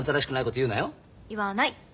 言わない。